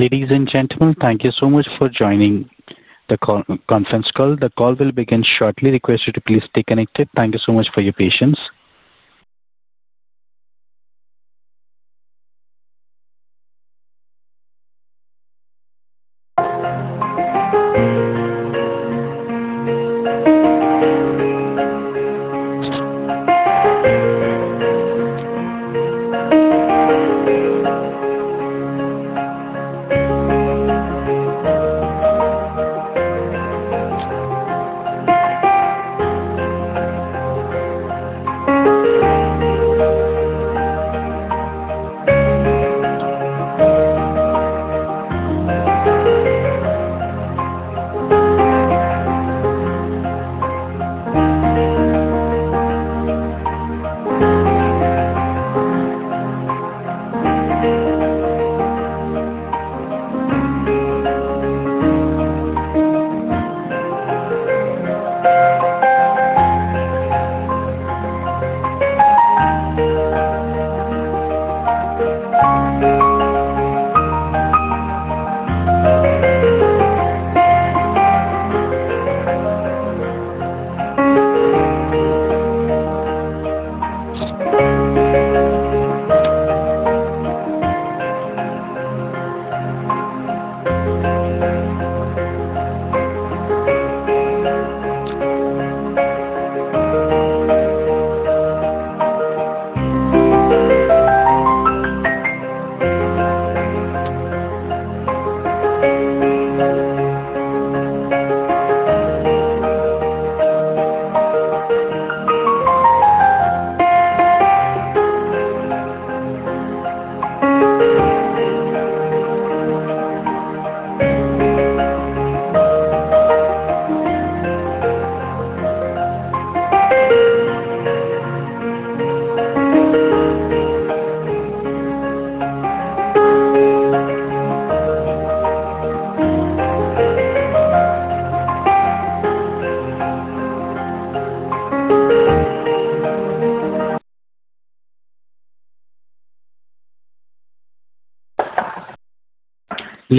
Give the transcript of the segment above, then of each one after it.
Ladies and gentlemen, thank you so much for joining the conference call. The call will begin shortly. Request you to please stay connected. Thank you so much for your patience.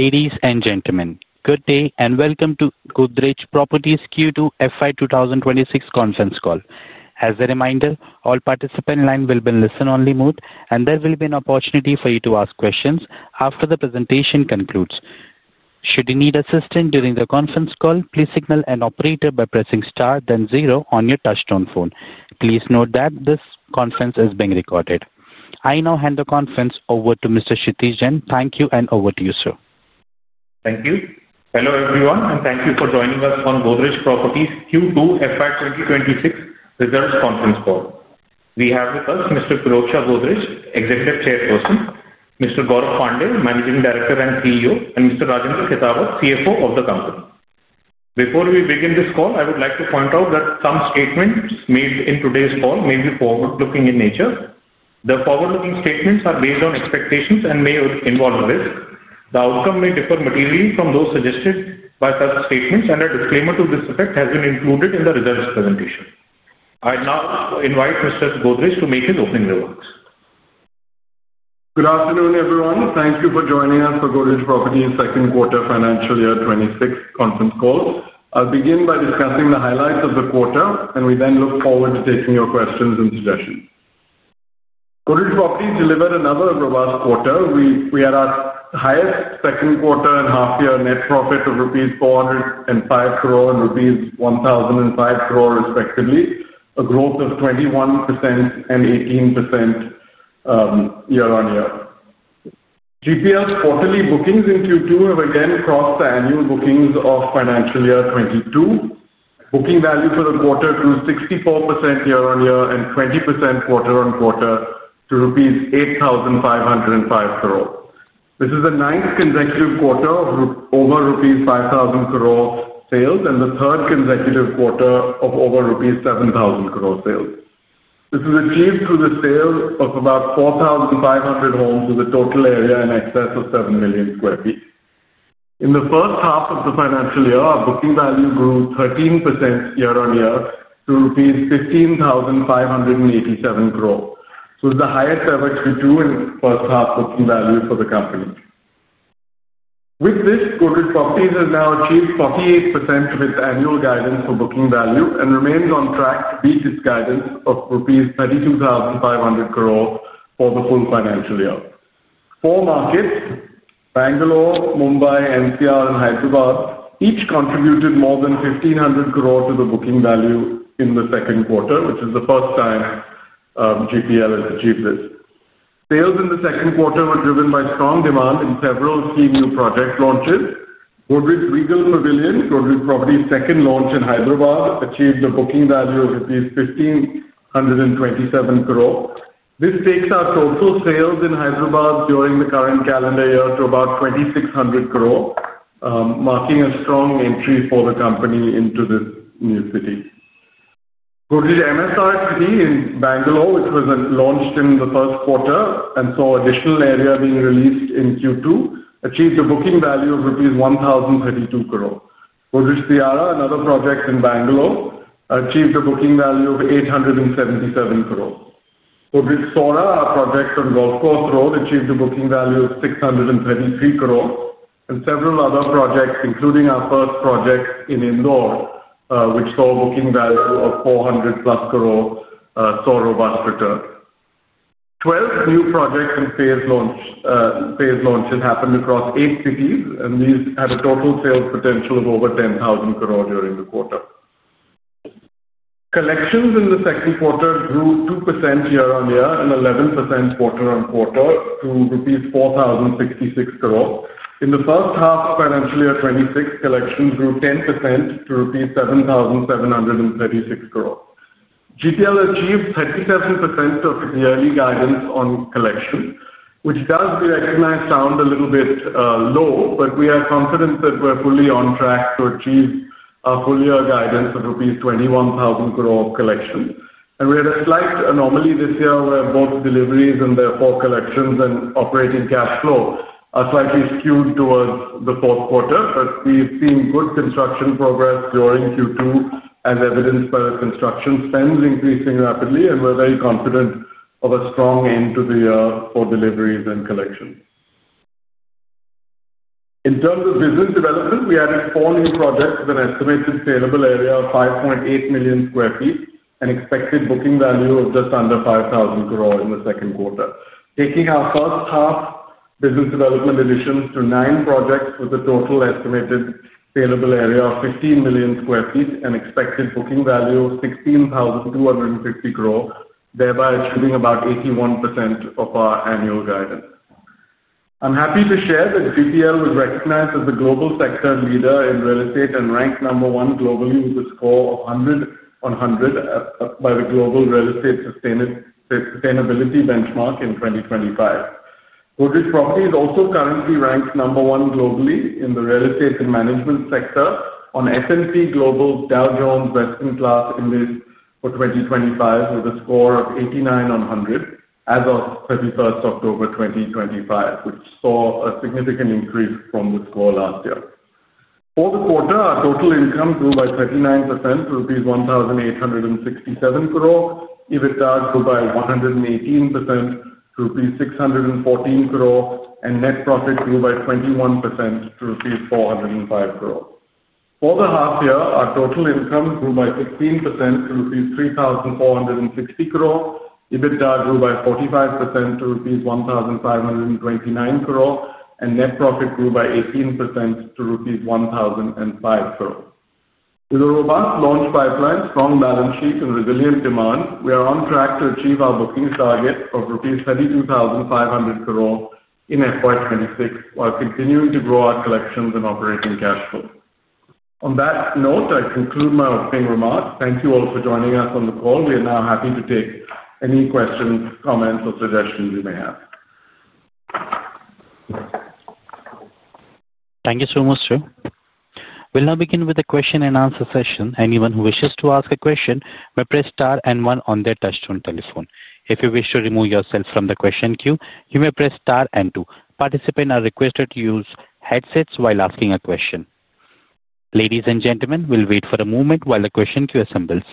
Ladies and gentlemen, good day and welcome to Godrej Properties Q2 FY 2026 conference call. As a reminder, all participant lines will be in listen-only mode, and there will be an opportunity for you to ask questions after the presentation concludes. Should you need assistance during the conference call, please signal an operator by pressing star, then zero on your touch-tone phone. Please note that this conference is being recorded. I now hand the conference over to Mr. Kshitij Jain. Thank you, and over to you, sir. Thank you. Hello everyone, and thank you for joining us on Godrej Properties Q2 FY 2026 Results Conference Call. We have with us Mr. Pirojsha Godrej, Executive Chairperson, Mr. Gaurav Pandey, Managing Director and CEO, and Mr. Rajendra Khetawat, CFO of the company. Before we begin this call, I would like to point out that some statements made in today's call may be forward-looking in nature. The forward-looking statements are based on expectations and may involve risk. The outcome may differ materially from those suggested by such statements, and a disclaimer to this effect has been included in the results presentation. I now invite Mr. Godrej to make his opening remarks. Good afternoon, everyone. Thank you for joining us for Godrej Properties second quarter financial year 2026 conference call. I'll begin by discussing the highlights of the quarter, and we then look forward to taking your questions and suggestions. Godrej Properties delivered another robust quarter. We had our highest second quarter and half-year net profit of rupees 405 crore and rupees 1,005 crore, respectively, a growth of 21% and 18% year-on-year. GPL's quarterly bookings in Q2 have again crossed the annual bookings of financial year 2022. Booking value for the quarter grew 64% year-on-year and 20% quarter-on-quarter to rupees 8,505 crore. This is the ninth consecutive quarter of over rupees 5,000 crore sales, and the third consecutive quarter of over rupees 7,000 crore sales. This was achieved through the sale of about 4,500 homes with a total area in excess of 7 million square feet. In the first half of the financial year, our booking value grew 13% year-on-year to INR 15,587 crore. This was the highest ever Q2 and first half booking value for the company. With this, Godrej Properties has now achieved 48% of its annual guidance for booking value and remains on track to beat its guidance of rupees 32,500 crore for the full financial year. Four markets, Bangalore, Mumbai, NCR, and Hyderabad, each contributed more than 1,500 crore to the booking value in the second quarter, which is the first time GPL has achieved this. Sales in the second quarter were driven by strong demand in several key new project launches. Godrej Regal Pavilion, Godrej Properties' second launch in Hyderabad, achieved a booking value of 1,527 crore. This takes our total sales in Hyderabad during the current calendar year to about 2,600 crore. Marking a strong entry for the company into this new city. Godrej MSR City in Bangalore, which was launched in the first quarter and saw additional area being released in Q2, achieved a booking value of rupees 1,032 crore. Godrej Siara, another project in Bangalore, achieved a booking value of 877 crore. Godrej Sora, our project on Golf Course Road, achieved a booking value of 633 crore, and several other projects, including our first project in Indore, which saw a booking value of 400+ crore, saw robust return. Twelve new projects and phase launches happened across eight cities, and these had a total sales potential of over 10,000 crore during the quarter. Collections in the second quarter grew 2% year-on-year and 11% quarter-on-quarter to rupees 4,066 crore. In the first half of financial year 2026, collections grew 10% to rupees 7,736 crore. GPL achieved 37% of its yearly guidance on collection, which does be recognized sound a little bit low, but we are confident that we're fully on track to achieve a full year guidance of rupees 21,000 crore of collection. We had a slight anomaly this year where both deliveries and therefore collections and operating cash flow are slightly skewed towards the fourth quarter, but we've seen good construction progress during Q2, as evidenced by the construction spends increasing rapidly, and we're very confident of a strong end to the year for deliveries and collections. In terms of business development, we added four new projects with an estimated saleable area of 5.8 million square feet and an expected booking value of just under 5,000 crore in the second quarter, taking our first half business development additions to nine projects with a total estimated saleable area of 15 million square feet and an expected booking value of 16,250 crore, thereby achieving about 81% of our annual guidance. I'm happy to share that GPL was recognized as the global sector leader in real estate and ranked number one globally with a score of 100 on 100 by the Global Real Estate Sustainability Benchmark in 2025. Godrej Properties also currently ranks number one globally in the real estate and management sector on S&P Global Dow Jones Best in Class Index for 2025 with a score of 89 on 100 as of 31st October 2025, which saw a significant increase from the score last year. For the quarter, our total income grew by 39% to rupees 1,867 crore, EBITDA grew by 118% to rupees 614 crore, and net profit grew by 21% to rupees 405 crore. For the half year, our total income grew by 16% to rupees 3,460 crore, EBITDA grew by 45% to rupees 1,529 crore, and net profit grew by 18% to rupees 1,005 crore. With a robust launch pipeline, strong balance sheet, and resilient demand, we are on track to achieve our bookings target of rupees 32,500 crore in FY 2026 while continuing to grow our collections and operating cash flow. On that note, I conclude my opening remarks. Thank you all for joining us on the call. We are now happy to take any questions, comments, or suggestions you may have. Thank you so much, sir. We'll now begin with a question-and-answer session. Anyone who wishes to ask a question may press star and one on their touch-tone telephone. If you wish to remove yourself from the question queue, you may press star and two. Participants are requested to use headsets while asking a question. Ladies and gentlemen, we'll wait for a moment while the question queue assembles.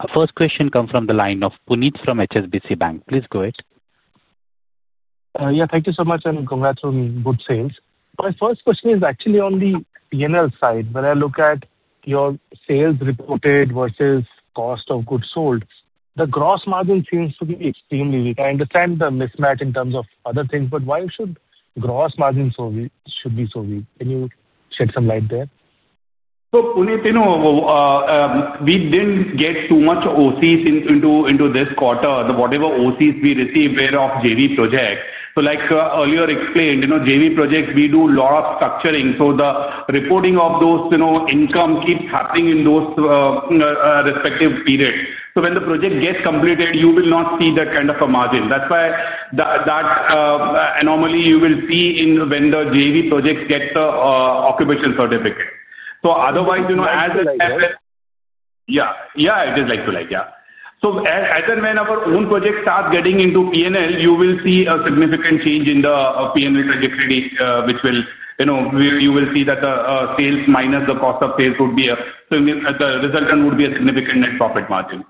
Our first question comes from the line of Puneet from HSBC Bank. Please go ahead. Yeah, thank you so much, and congrats on good sales. My first question is actually on the P&L side. When I look at your sales reported versus cost of goods sold, the gross margin seems to be extremely weak. I understand the mismatch in terms of other things, but why should gross margin be so weak? Can you shed some light there? Puneet, you know. We didn't get too much OCs into this quarter. Whatever OCs we received were of JV projects. Like earlier explained, JV projects, we do a lot of structuring. The reporting of those incomes keeps happening in those respective periods. When the project gets completed, you will not see that kind of a margin. That's why that anomaly you will see when the JV projects get the occupation certificate. Otherwise, as it happens. Yeah, yeah, it is like to like, yeah. As and when our own projects start getting into P&L, you will see a significant change in the P&L trajectory, which will. You will see that the sales minus the cost of sales would be a resultant would be a significant net profit margin.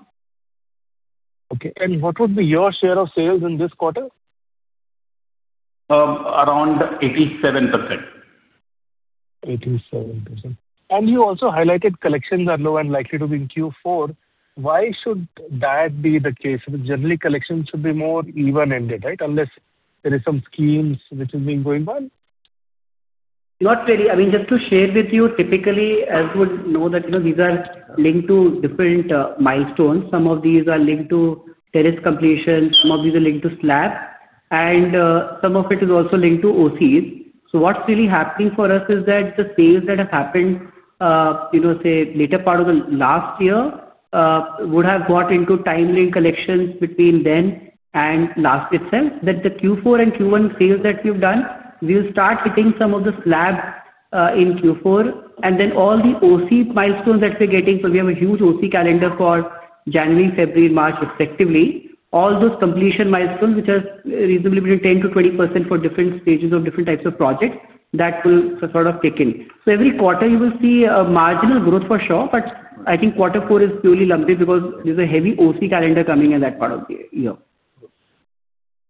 Okay. What would be your share of sales in this quarter? Around 87%. 87%. You also highlighted collections are low and likely to be in Q4. Why should that be the case? Generally, collections should be more even-ended, right? Unless there are some schemes which have been going on. Not really. I mean, just to share with you, typically, as you would know, these are linked to different milestones. Some of these are linked to terrace completion. Some of these are linked to slab. And some of it is also linked to OCs. What's really happening for us is that the sales that have happened, say, later part of the last year, would have got into timely collections between then and last itself. That the Q4 and Q1 sales that we've done, we'll start hitting some of the slab in Q4. All the OC milestones that we're getting, we have a huge OC calendar for January, February, March, respectively, all those completion milestones, which are reasonably between 10%-20% for different stages of different types of projects, that will sort of kick in. Every quarter, you will see a marginal growth for sure, but I think quarter four is purely lumpy because there is a heavy OC calendar coming in that part of the year.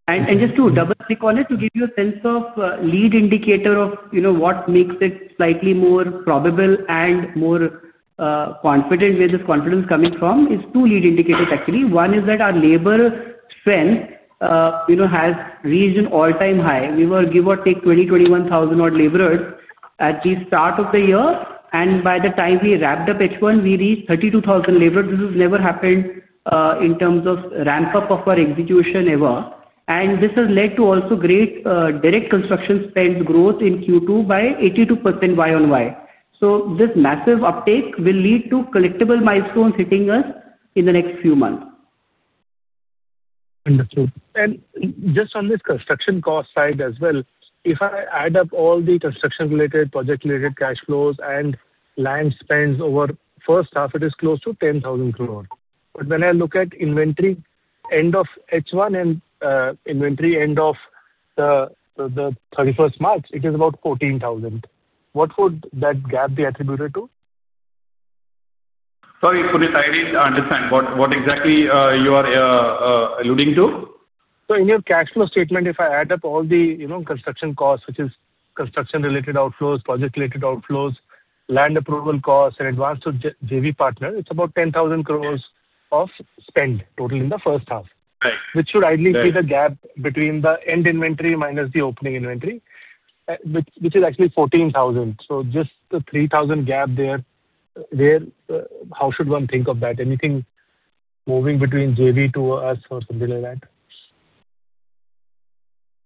Just to double-click on it, to give you a sense of lead indicator of what makes it slightly more probable and more confident, where this confidence is coming from, is two lead indicators, actually. One is that our labor strength has reached an all-time high. We were, give or take, 20,000, 21,000 laborers at the start of the year. By the time we wrapped up H1, we reached 32,000 laborers. This has never happened in terms of ramp-up of our execution ever. This has led to also great direct construction spend growth in Q2 by 82% YoY. This massive uptake will lead to collectible milestones hitting us in the next few months. Understood. Just on this construction cost side as well, if I add up all the construction-related, project-related cash flows and land spends over the first half, it is close to 10,000 crore. When I look at inventory end of H1 and inventory end of March 31, it is about 14,000 crore. What would that gap be attributed to? Sorry, Puneet, I didn't understand. What exactly you are alluding to? In your cash flow statement, if I add up all the construction costs, which is construction-related outflows, project-related outflows, land approval costs, and advance to JV partners, it is about 10,000 crore of spend total in the first half. Right. Which should ideally be the gap between the end inventory minus the opening inventory, which is actually 14,000. Just the 3,000 gap there, how should one think of that? Anything moving between JV to us or something like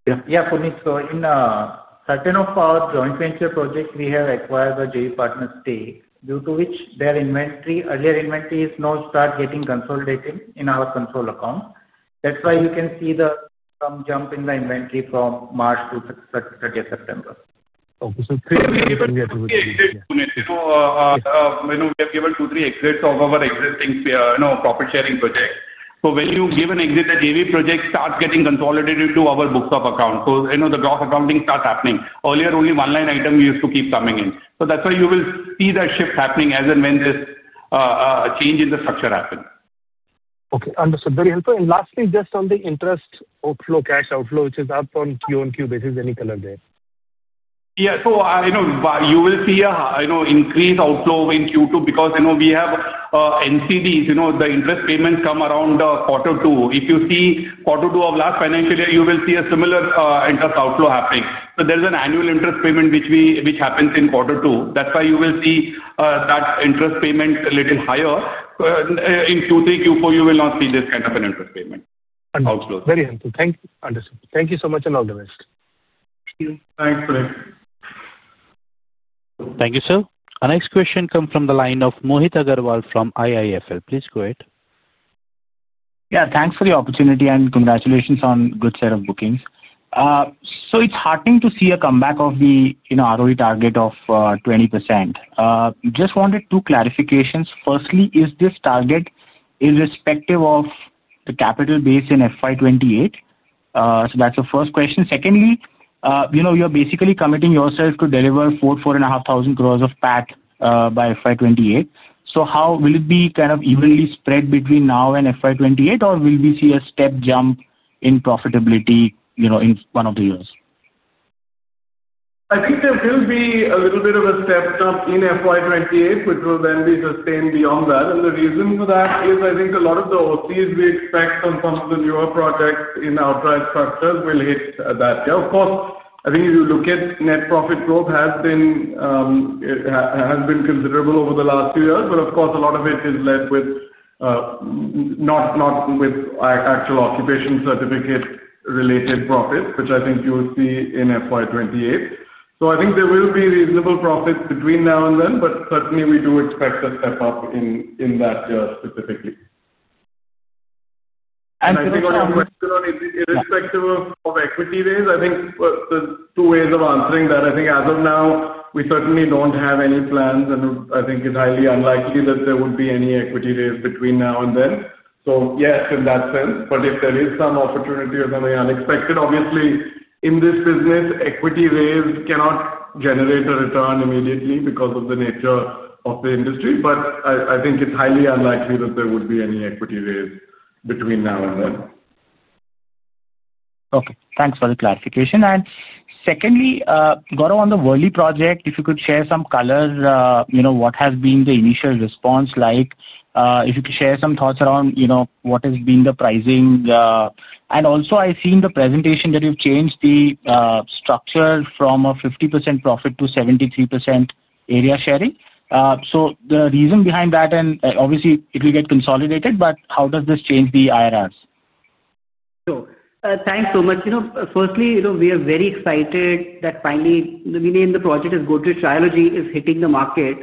that? Yeah, Puneet. In a certain of our joint venture projects, we have acquired the JV partner stake, due to which their earlier inventories now start getting consolidated in our control account. That's why you can see the jump in the inventory from March to 30th September. Okay. Puneet, you know. We have given two, three exits of our existing profit-sharing projects. When you give an exit, the JV project starts getting consolidated to our books of accounts. The gross accounting starts happening. Earlier, only one line item used to keep coming in. That is why you will see that shift happening as and when this change in the structure assets. Okay. Understood. Very helpful. Lastly, just on the interest cash outflow, which is up on Q-on-Q, basis. Any color there. Yeah. You will see an increased outflow in Q2 because we have NCDs. The interest payments come around quarter two. If you see quarter two of last financial year, you will see a similar interest outflow happening. There is an annual interest payment which happens in quarter two. That is why you will see that interest payment a little higher. In Q3, Q4, you will not see this kind of an interest payment outflow. Understood. Very helpful. Thank you. Understood. Thank you so much and all the best. Thank you. Thanks, Puneet. Thank you, sir. Our next question comes from the line of Mohit Agarwal from IIFL. Please go ahead. Yeah, thanks for the opportunity and congratulations on a good set of bookings. It's heartening to see a comeback of the ROE target of 20%. Just wanted two clarifications. Firstly, is this target irrespective of the capital base in FY 2028? That's the first question. Secondly, you're basically committing yourself to deliver 4,000 crore-4,500 crore of PAT by FY 2028. How will it be kind of evenly spread between now and FY 2028, or will we see a step jump in profitability in one of the years? I think there will be a little bit of a step jump in FY 2028, which will then be sustained beyond that. The reason for that is I think a lot of the OCs we expect on some of the newer projects in outright structures will hit that. Of course, I think if you look at net profit growth, it has been considerable over the last few years, but of course, a lot of it is led with not with actual occupation certificate-related profits, which I think you will see in FY 2028. I think there will be reasonable profits between now and then, but certainly, we do expect a step up in that year specifically. I think on your question on irrespective of equity raise, I think the two ways of answering that, I think as of now, we certainly do not have any plans, and I think it is highly unlikely that there would be any equity raise between now and then. Yes, in that sense. If there is some opportunity or something unexpected, obviously, in this business, equity raise cannot generate a return immediately because of the nature of the industry. I think it is highly unlikely that there would be any equity raise between now and then. Okay. Thanks for the clarification. Secondly, Guru, on the Worli project, if you could share some color, what has been the initial response like? If you could share some thoughts around what has been the pricing. I have also seen the presentation that you have changed the structure from a 50% profit to 73% area sharing. The reason behind that, and obviously, it will get consolidated, but how does this change the IRRs? Sure. Thanks so much. Firstly, we are very excited that finally, the project is going to Trilogy, is hitting the market.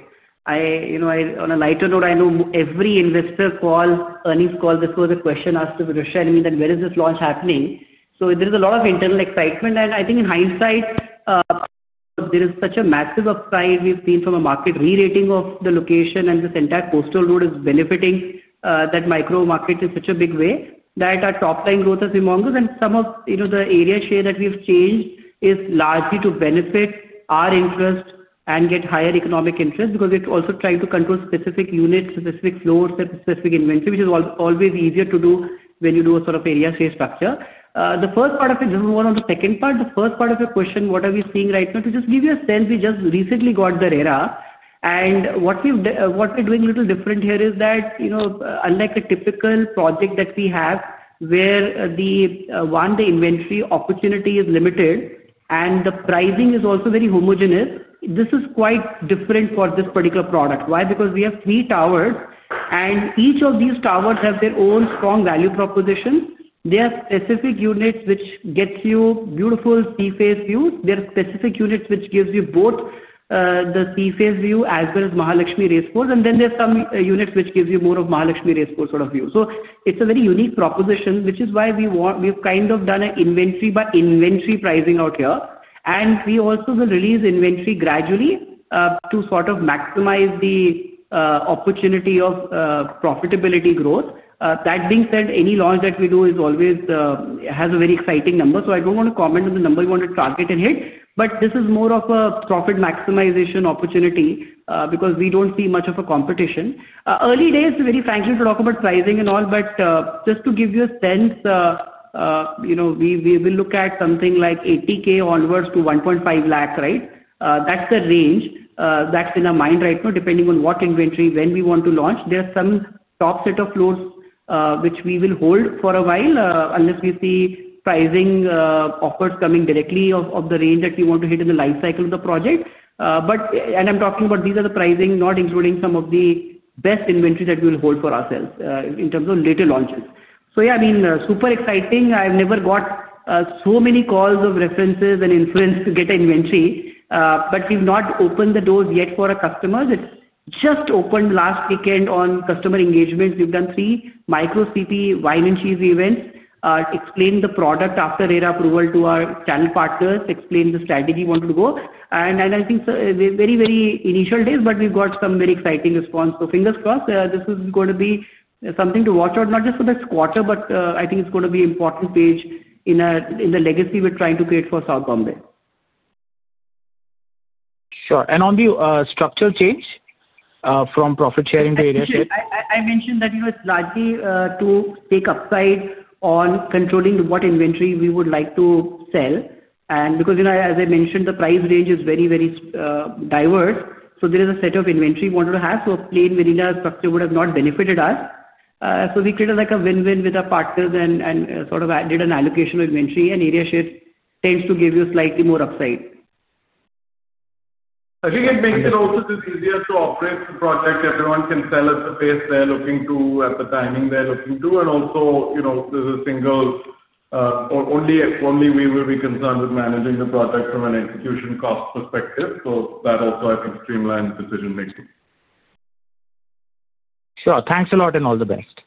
On a lighter note, I know every investor call, earnings call, this was a question asked to Pritesh. I mean, where is this launch happening? There is a lot of internal excitement. I think in hindsight. There is such a massive upside we've seen from a market re-rating of the location, and this entire Worli road is benefiting that micro market in such a big way that our top-line growth has been humongous. Some of the area share that we've changed is largely to benefit our interest and get higher economic interest because we're also trying to control specific units, specific floors, specific inventory, which is always easier to do when you do a sort of area share structure. The first part of it, this is more on the second part. The first part of your question, what are we seeing right now? To just give you a sense, we just recently got the RERA. What we're doing a little different here is that, unlike a typical project that we have, where the inventory opportunity is limited and the pricing is also very homogenous, this is quite different for this particular product. Why? Because we have three towers, and each of these towers has their own strong value proposition. There are specific units which get you beautiful sea-face views. There are specific units which give you both, the sea-face view as well as Mahalaxmi Racecourse. Then there are some units which give you more of Mahalaxmi Racecourse sort of view. It is a very unique proposition, which is why we've kind of done an inventory-by-inventory pricing out here. We also will release inventory gradually to sort of maximize the opportunity of profitability growth. That being said, any launch that we do has always a very exciting number. I do not want to comment on the number we want to target and hit, but this is more of a profit maximization opportunity because we do not see much of a competition. Early days, very frankly, to talk about pricing and all, but just to give you a sense. We will look at something like 80,000 onwards to 150,000, right? That is the range that is in our mind right now, depending on what inventory when we want to launch. There are some top set of floors which we will hold for a while unless we see pricing offers coming directly of the range that we want to hit in the life cycle of the project. I'm talking about these are the pricing, not including some of the best inventory that we will hold for ourselves in terms of later launches. Yeah, I mean, super exciting. I've never got so many calls of references and influence to get an inventory, but we've not opened the doors yet for our customers. It just opened last weekend on customer engagement. We've done three micro CP wine and cheese events, explained the product after RERA approval to our channel partners, explained the strategy we wanted to go. I think very, very initial days, but we've got some very exciting response. Fingers crossed, this is going to be something to watch out, not just for this quarter, but I think it's going to be an important page in the legacy we're trying to create for South Bombay. Sure. And on the structural change from profit sharing to area share? I mentioned that it was likely to take upside on controlling what inventory we would like to sell. Because, as I mentioned, the price range is very, very diverse. There is a set of inventory we wanted to have. A plain vanilla structure would have not benefited us. We created like a win-win with our partners and sort of added an allocation of inventory, and area share tends to give you slightly more upside. I think it makes it also just easier to operate the project. Everyone can sell at the pace they're looking to, at the timing they're looking to. Also, there's a single. Only we will be concerned with managing the project from an execution cost perspective. That also, I think, streamlines decision-making. Sure. Thanks a lot and all the best.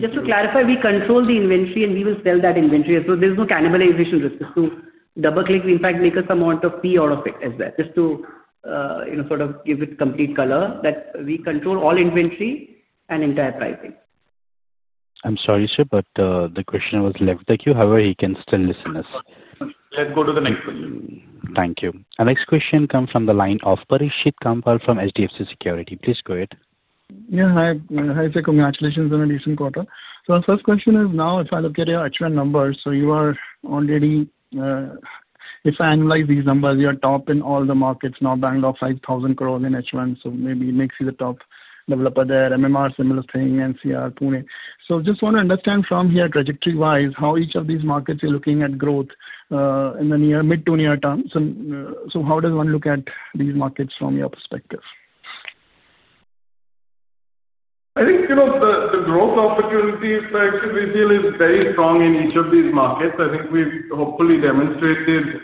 Just to clarify, we control the inventory, and we will sell that inventory. There is no cannibalization risk. Just to double-click, we in fact make a sum of fee out of it as well. Just to sort of give it complete color, we control all inventory and entire pricing. I'm sorry, sir, but the question was left at you. However, he can still listen to us. Let's go to the next question. Thank you. Our next question comes from the line of Parikshit Kandpal from HDFC Securities. Please go ahead. Yeah. Hi, sir. Congratulations on a decent quarter. Our first question is, now, if I look at your H1 numbers, if I annualize these numbers, you are top in all the markets, now buying off 5,000 crore in H1. Maybe it makes you the top developer there. MMR, similar thing, NCR, Pune. I just want to understand from here, trajectory-wise, how each of these markets you're looking at growth in the near to mid to near term. How does one look at these markets from your perspective? I think the growth opportunities, actually, we feel is very strong in each of these markets. I think we've hopefully demonstrated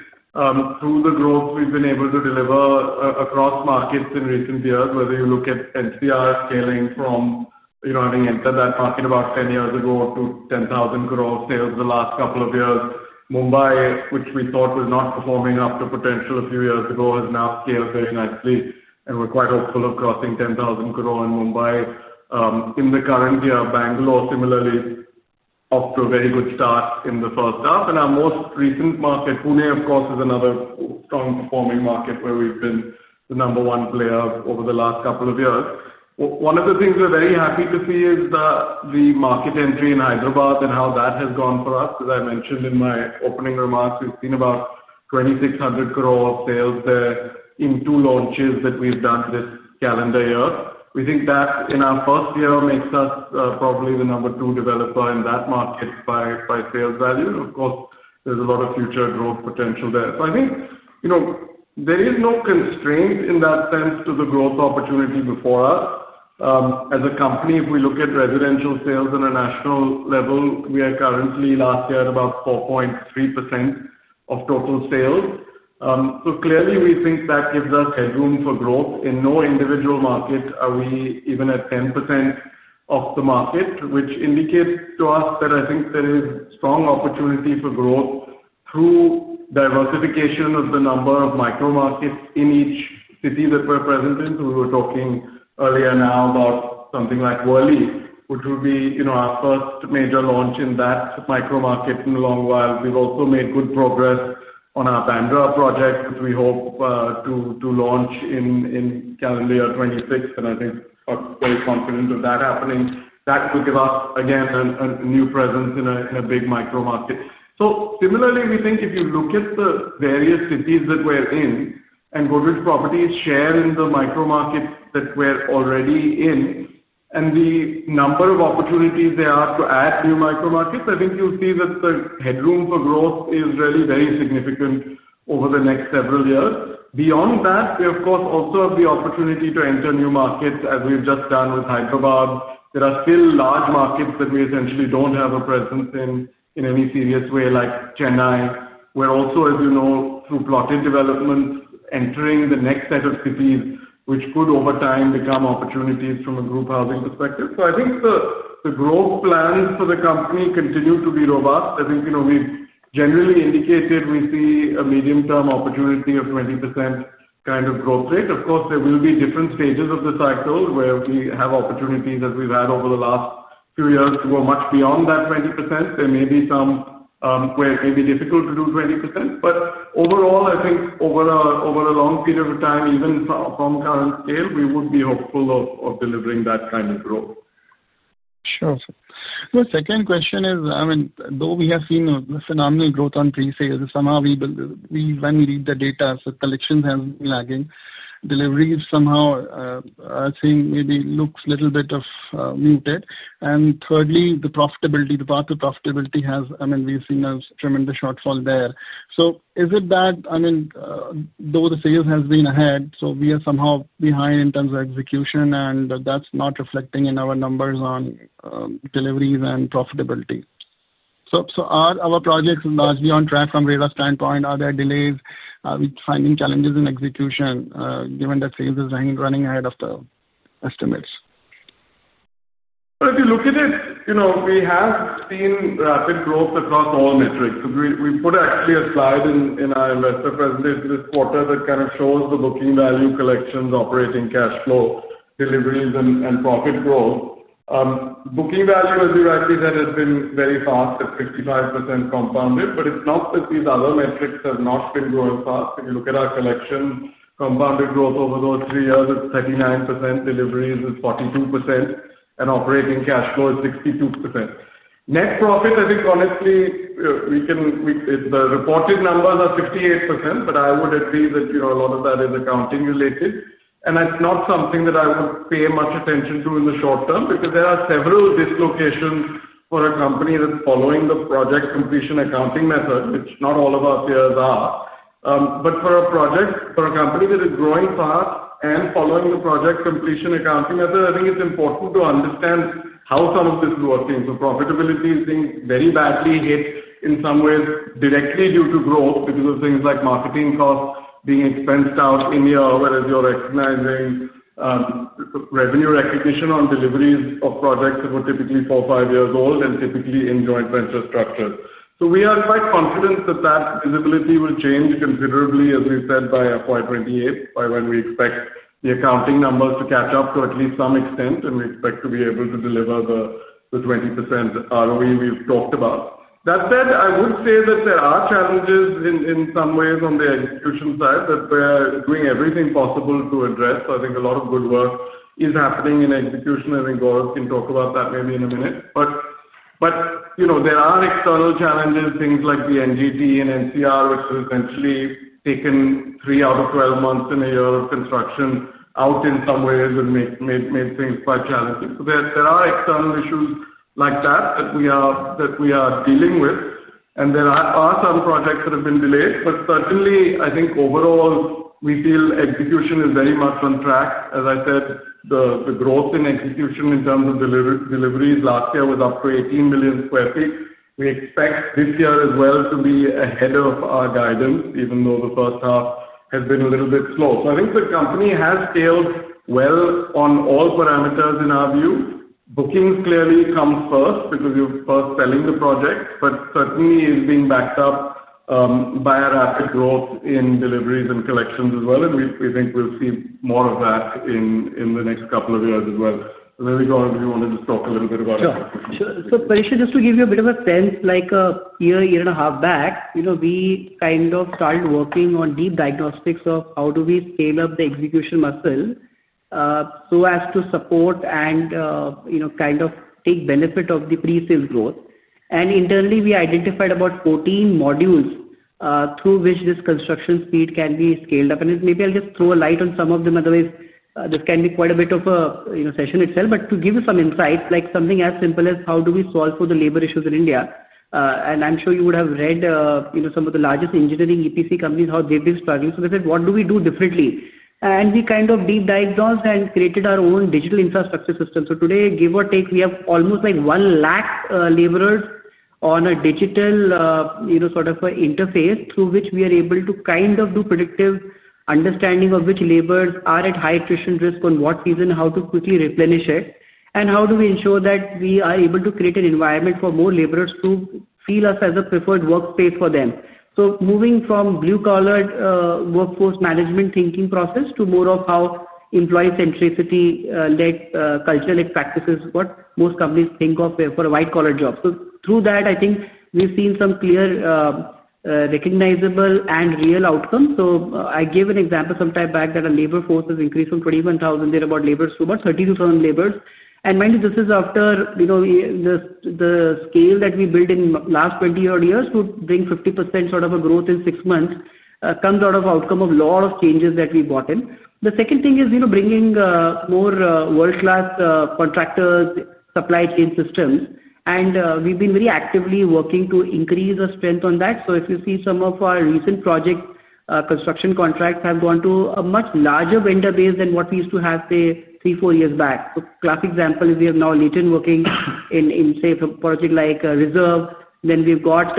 through the growth we've been able to deliver across markets in recent years, whether you look at NCR scaling from having entered that market about 10 years ago to 10,000 crore sales the last couple of years. Mumbai, which we thought was not performing after potential a few years ago, has now scaled very nicely. We are quite hopeful of crossing 10,000 crore in Mumbai in the current year. Bangalore, similarly, off to a very good start in the first half. Our most recent market, Pune, of course, is another strong performing market where we've been the number one player over the last couple of years. One of the things we're very happy to see is the market entry in Hyderabad and how that has gone for us. As I mentioned in my opening remarks, we've seen about 2,600 crore sales there in two launches that we've done this calendar year. We think that in our first year makes us probably the number two developer in that market by sales value. Of course, there's a lot of future growth potential there. I think there is no constraint in that sense to the growth opportunity before us. As a company, if we look at residential sales on a national level, we are currently last year at about 4.3% of total sales. Clearly, we think that gives us headroom for growth. In no individual market are we even at 10% of the market, which indicates to us that I think there is strong opportunity for growth through diversification of the number of micro markets in each city that we're present in. We were talking earlier now about something like Worli, which will be our first major launch in that micro market in a long while. We have also made good progress on our Bandra project, which we hope to launch in calendar year 2026. I think we are very confident of that happening. That will give us, again, a new presence in a big micro market. Similarly, we think if you look at the various cities that we are in and Godrej Properties' share in the micro markets that we are already in, and the number of opportunities there are to add new micro markets, I think you will see that the headroom for growth is really very significant over the next several years. Beyond that, we, of course, also have the opportunity to enter new markets, as we have just done with Hyderabad. There are still large markets that we essentially do not have a presence in any serious way, like Chennai, where also, as you know, through plotted developments, entering the next set of cities, which could over time become opportunities from a group housing perspective. I think the growth plans for the company continue to be robust. I think we have generally indicated we see a medium-term opportunity of 20% kind of growth rate. Of course, there will be different stages of the cycle where we have opportunities, as we have had over the last few years, to go much beyond that 20%. There may be some where it may be difficult to do 20%. Overall, I think over a long period of time, even from current scale, we would be hopeful of delivering that kind of growth. Sure. The second question is, I mean, though we have seen a phenomenal growth on pre-sales, somehow, when we read the data, collections have been lagging. Deliveries somehow, I think, maybe looks a little bit muted. And thirdly, the profitability, the path to profitability has, I mean, we've seen a tremendous shortfall there. Is it that, I mean, though the sales has been ahead, we are somehow behind in terms of execution, and that's not reflecting in our numbers on deliveries and profitability? Are our projects largely on track from RERA standpoint? Are there delays? Are we finding challenges in execution given that sales is running ahead of the estimates? If you look at it, we have seen rapid growth across all metrics. We put actually a slide in our investor presentation this quarter that kind of shows the booking value, collections, operating cash flow, deliveries, and profit growth. Booking value, as you rightly said, has been very fast at 55% compounded, but it's not that these other metrics have not been growing fast. If you look at our collection, compounded growth over those three years is 39%, deliveries is 42%, and operating cash flow is 62%. Net profit, I think, honestly, the reported numbers are 58%, but I would agree that a lot of that is accounting related. It's not something that I would pay much attention to in the short term because there are several dislocations for a company that's following the project completion accounting method, which not all of our peers are. For a project, for a company that is growing fast and following the project completion accounting method, I think it's important to understand how some of this is working. Profitability is being very badly hit in some ways directly due to growth because of things like marketing costs being expensed out in here, whereas you're recognizing revenue recognition on deliveries of projects that were typically four or five years old and typically in joint venture structures. We are quite confident that that visibility will change considerably, as we said, by FY 2028, by when we expect the accounting numbers to catch up to at least some extent, and we expect to be able to deliver the 20% ROE we've talked about. That said, I would say that there are challenges in some ways on the execution side that we're doing everything possible to address. I think a lot of good work is happening in execution. I think Gurush can talk about that maybe in a minute. There are external challenges, things like the NGT and NCR, which have essentially taken three out of 12 months in a year of construction out in some ways and made things quite challenging. There are external issues like that that we are dealing with. There are some projects that have been delayed, but certainly, I think overall, we feel execution is very much on track. As I said, the growth in execution in terms of deliveries last year was up to 18 million square feet. We expect this year as well to be ahead of our guidance, even though the first half has been a little bit slow. I think the company has scaled well on all parameters in our view. Bookings clearly come first because you're first selling the project, but certainly it's being backed up by a rapid growth in deliveries and collections as well. We think we'll see more of that in the next couple of years as well. Maybe Gaurav, if you want to just talk a little bit about execution. Sure. Parikshit, just to give you a bit of a sense, like a year, year and a half back, we kind of started working on deep diagnostics of how do we scale up the execution muscle. As to support and kind of take benefit of the pre-sales growth. Internally, we identified about 14 modules through which this construction speed can be scaled up. Maybe I'll just throw a light on some of them. Otherwise, this can be quite a bit of a session itself. To give you some insights, like something as simple as how do we solve for the labor issues in India? I'm sure you would have read some of the largest engineering EPC companies, how they've been struggling. They said, "What do we do differently?" We kind of deep diagnosed and created our own digital infrastructure system. Today, give or take, we have almost 1,000,000 laborers on a digital sort of interface through which we are able to kind of do predictive understanding of which laborers are at high attrition risk on what season and how to quickly replenish it. How do we ensure that we are able to create an environment for more laborers to feel us as a preferred workspace for them? Moving from blue-collar workforce management thinking process to more of how employee centricity led culture led practices is what most companies think of for white-collar jobs. Through that, I think we've seen some clear, recognizable, and real outcomes. I gave an example some time back that our labor force has increased from 21,000 thereabout laborers to about 32,000 laborers. Mind you, this is after. The scale that we built in the last 20-odd years would bring 50% sort of a growth in six months, comes out of outcome of a lot of changes that we brought in. The second thing is bringing more world-class contractors, supply chain systems. We have been very actively working to increase our strength on that. If you see some of our recent project construction contracts have gone to a much larger vendor base than what we used to have say three, four years back. A classic example is we have now L&T working in, say, a project like Reserve. Then we have got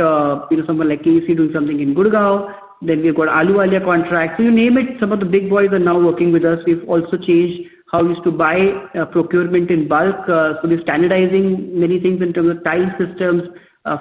someone like KC doing something in Gurgaon. Then we have got Ahluwalia Contracts. You name it, some of the big boys are now working with us. We have also changed how we used to buy procurement in bulk. We're standardizing many things in terms of tile systems,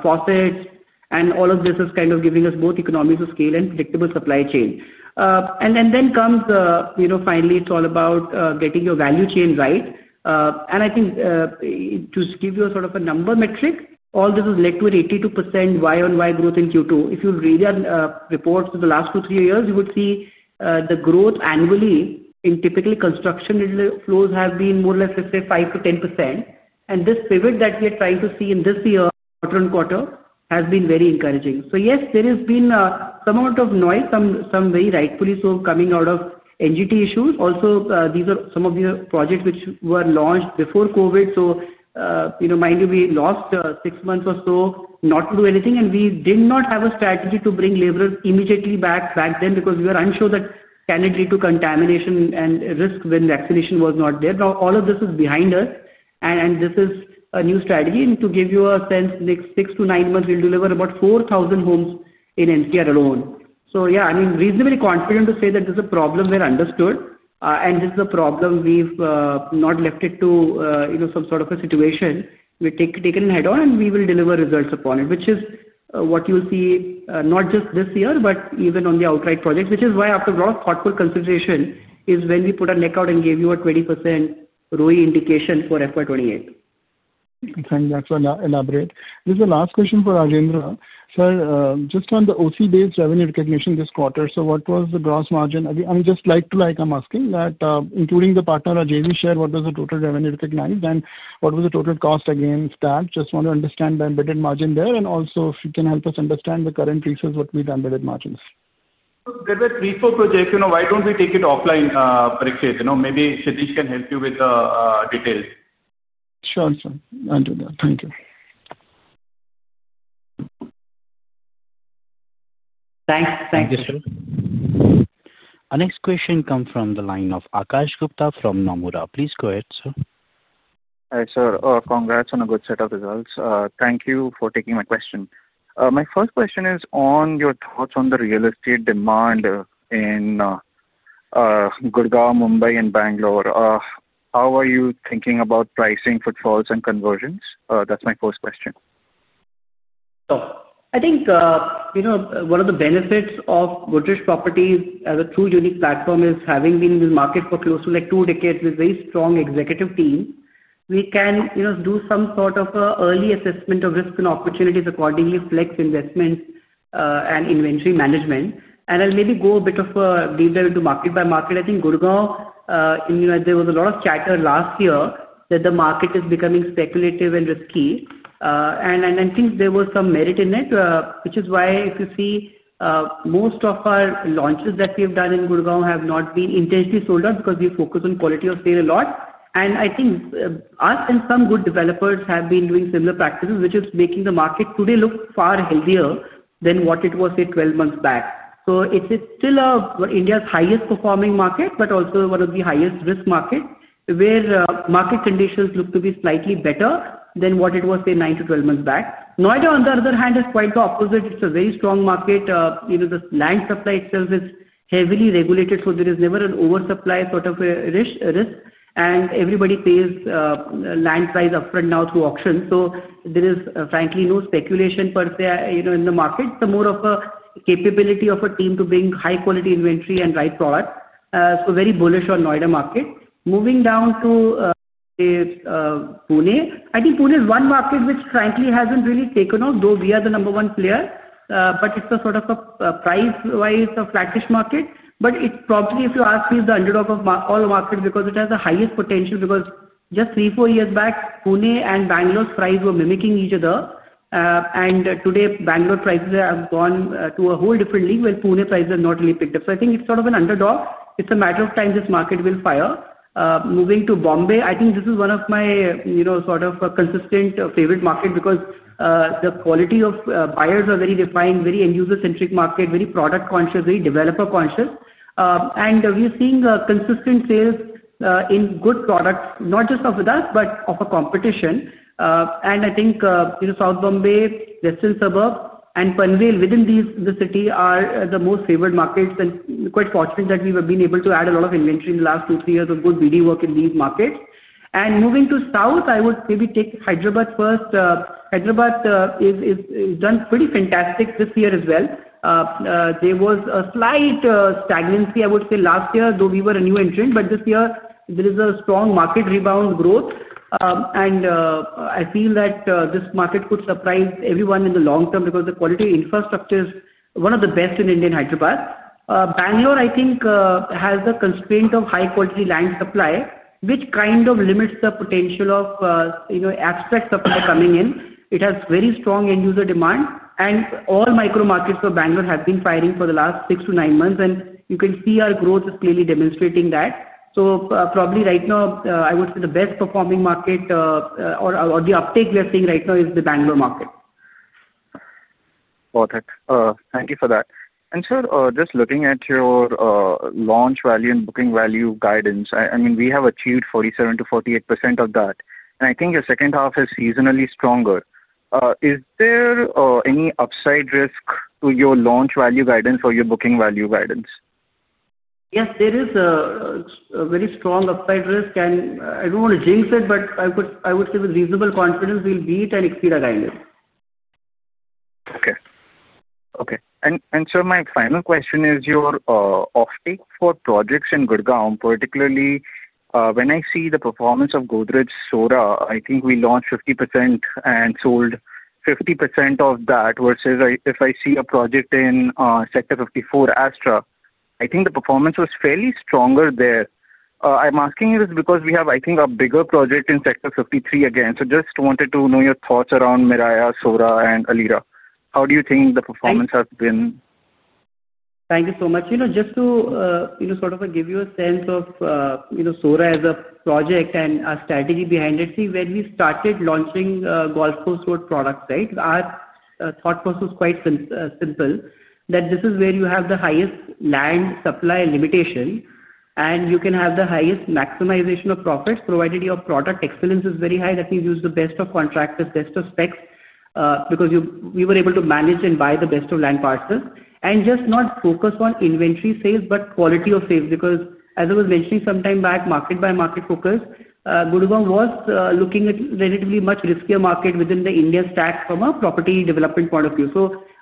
faucets, and all of this is kind of giving us both economies of scale and predictable supply chain. Then comes finally, it's all about getting your value chain right. I think, to give you a sort of a number metric, all this has led to an 82% YoY growth in Q2. If you read our reports for the last two, three years, you would see the growth annually in typically construction flows have been more or less, let's say, 5%-10%. This pivot that we are trying to see in this year quarter on quarter has been very encouraging. Yes, there has been some amount of noise, some very rightfully so coming out of NGT issues. Also, these are some of the projects which were launched before COVID. Mind you, we lost six months or so not to do anything. We did not have a strategy to bring laborers immediately back then because we were unsure, candidly, due to contamination and risk when vaccination was not there. All of this is behind us. This is a new strategy. To give you a sense, next six to nine months, we'll deliver about 4,000 homes in NCR alone. Yeah, I mean, reasonably confident to say that this is a problem we've understood. This is a problem we've not left it to some sort of a situation. We've taken a head on, and we will deliver results upon it, which is what you'll see not just this year, but even on the outright projects, which is why after a lot of thoughtful consideration is when we put our neck out and gave you a 20% ROE indication for FY 2028. Thanks, I'm glad to elaborate. This is the last question for Rajendra. Sir, just on the OC-based revenue recognition this quarter, what was the gross margin? I mean, just like to like, I'm asking that, including the partner JV share, what was the total revenue recognized and what was the total cost against that? Just want to understand the embedded margin there and also if you can help us understand the current resource, what will be the embedded margins? There were three or four projects. Why don't we take it offline, Parikshit? Maybe Kshitij can help you with the details. Sure, sir. I'll do that. Thank you. Thanks. Thanks. Thank you, sir. Our next question comes from the line of Akash Gupta from Nomura. Please go ahead, sir. Hi, sir. Congrats on a good set of results. Thank you for taking my question. My first question is on your thoughts on the real estate demand in Gurgaon, Mumbai, and Bangalore. How are you thinking about pricing, footfalls, and conversions? That's my first question. I think one of the benefits of Godrej Properties as a true unique platform is having been in the market for close to two decades with a very strong executive team. We can do some sort of an early assessment of risk and opportunities accordingly, flex investments, and inventory management. I'll maybe go a bit deeper into market by market. I think Gurgaon, there was a lot of chatter last year that the market is becoming speculative and risky. I think there was some merit in it, which is why if you see most of our launches that we have done in Gurgaon have not been intentionally sold out because we focus on quality of sale a lot. I think us and some good developers have been doing similar practices, which is making the market today look far healthier than what it was, say, 12 months back. It is still India's highest performing market, but also one of the highest risk markets where market conditions look to be slightly better than what it was, say, 9-12 months back. Noida, on the other hand, is quite the opposite. It is a very strong market. The land supply itself is heavily regulated, so there is never an oversupply sort of risk. Everybody pays land price upfront now through auction. There is frankly no speculation per se in the market. It is more of a capability of a team to bring high-quality inventory and right product. Very bullish on Noida market. Moving down to. Pune, I think Pune is one market which frankly hasn't really taken off, though we are the number one player. It is a sort of a price-wise flatish market. It is probably, if you ask me, the underdog of all markets because it has the highest potential because just three, four years back, Pune and Bangalore's price were mimicking each other. Today, Bangalore prices have gone to a whole different league where Pune prices have not really picked up. I think it is sort of an underdog. It is a matter of time this market will fire. Moving to Bombay, I think this is one of my sort of consistent favorite markets because the quality of buyers are very defined, very end-user-centric market, very product-conscious, very developer-conscious. We are seeing consistent sales in good products, not just of us, but of our competition. I think South Bombay, Western Suburb, and Panvel within the city are the most favored markets. Quite fortunate that we have been able to add a lot of inventory in the last two, three years of good BD work in these markets. Moving to south, I would maybe take Hyderabad first. Hyderabad has done pretty fantastic this year as well. There was a slight stagnancy, I would say, last year, though we were a new entrant, but this year, there is a strong market rebound growth. I feel that this market could surprise everyone in the long term because the quality of infrastructure is one of the best in Indian Hyderabad. Bangalore, I think, has the constraint of high-quality land supply, which kind of limits the potential of abstract supply coming in. It has very strong end-user demand. All micro markets for Bangalore have been firing for the last six to nine months. You can see our growth is clearly demonstrating that. Probably right now, I would say the best performing market or the uptake we are seeing right now is the Bangalore market. Got it. Thank you for that. Sir, just looking at your launch value and booking value guidance, I mean, we have achieved 47%-48% of that. I think your second half is seasonally stronger. Is there any upside risk to your launch value guidance or your booking value guidance? Yes, there is a very strong upside risk. I don't want to jinx it, but I would say with reasonable confidence, we'll beat and exceed our guidance. Okay. Okay. Sir, my final question is your offtake for projects in Gurgaon, particularly when I see the performance of Godrej Sora, I think we launched 50% and sold 50% of that versus if I see a project in Sector 54, Astra. I think the performance was fairly stronger there. I'm asking you this because we have, I think, a bigger project in Sector 53 again. Just wanted to know your thoughts around Miraya, Sora, and Aaleera. How do you think the performance has been? Thank you so much. Just to sort of give you a sense of Sora as a project and our strategy behind it, see, when we started launching Golf Course Road products, right, our thought process was quite simple that this is where you have the highest land supply limitation. You can have the highest maximization of profits provided your product excellence is very high. That means use the best of contractors, best of specs because we were able to manage and buy the best of land parcels. Just not focus on inventory sales, but quality of sales because, as I was mentioning some time back, market by market focus, Gurgaon was looking at a relatively much riskier market within the India stack from a property development point of view.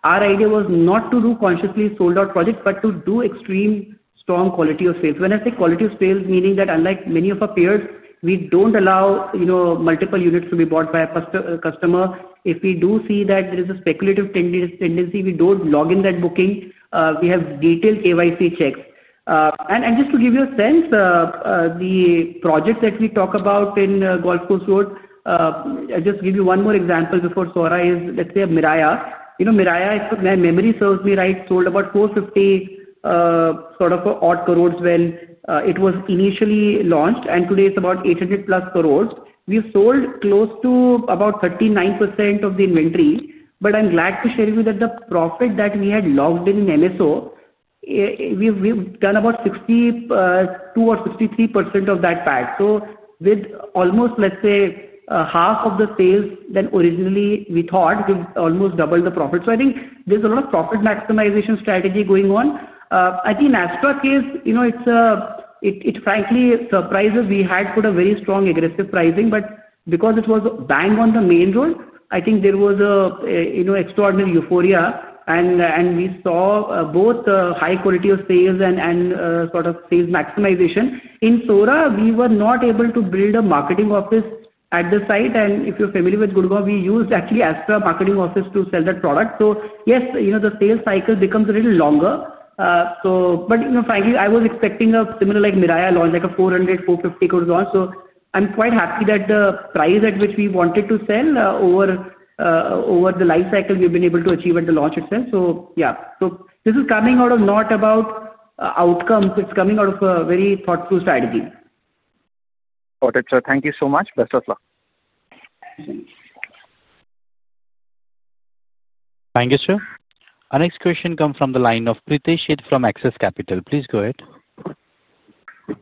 Our idea was not to do consciously sold-out projects, but to do extremely strong quality of sales. When I say quality of sales, meaning that unlike many of our peers, we don't allow multiple units to be bought by a customer. If we do see that there is a speculative tendency, we don't log in that booking. We have detailed KYC checks. Just to give you a sense, the projects that we talk about in Golf Course Road, I'll just give you one more example before Sora is, let's say, Miraya. Miraya, if my memory serves me right, sold about 450 crore when it was initially launched. Today, it's about 800+ crore. We sold close to about 39% of the inventory. I'm glad to share with you that the profit that we had logged in in MSR, we've done about 62% or 63% of that back. With almost, let's say, half of the sales than originally we thought, we've almost doubled the profit. I think there's a lot of profit maximization strategy going on. I think in Astra case, it frankly surprises. We had put a very strong aggressive pricing, but because it was bang on the main road, I think there was extraordinary euphoria. We saw both high quality of sales and sort of sales maximization. In Sora, we were not able to build a marketing office at the site. If you're familiar with Gurgaon, we used actually Astra marketing office to sell that product. Yes, the sales cycle becomes a little longer. Frankly, I was expecting a similar like Miraya launch, like a 400 crore-450 crore launch. I'm quite happy that the price at which we wanted to sell over. The life cycle we've been able to achieve at the launch itself. Yeah, this is coming out of not about outcomes. It's coming out of a very thoughtful strategy. Got it, sir. Thank you so much. Bless us all. Thank you, sir. Our next question comes from the line of Pritesh from Axis Capital. Please go ahead.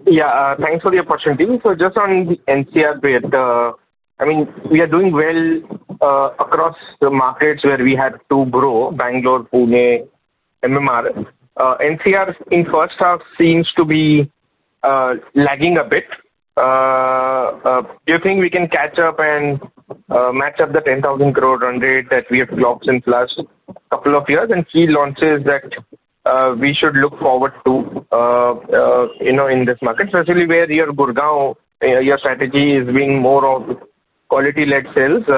Yeah, thanks for the opportunity. Just on the NCR bit, I mean, we are doing well. Across the markets where we had to grow, Bangalore, Pune, MMR. NCR in the first half seems to be lagging a bit. Do you think we can catch up and match up the 10,000 crore run rate that we have clocked in the last couple of years and see launches that we should look forward to in this market? Especially where your Gurgaon, your strategy is being more of quality-led sales.